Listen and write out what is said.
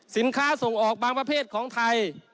สินค้าส่งออกบางประเภทของไทย